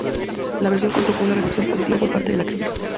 La versión contó con una recepción positiva por parte de la crítica.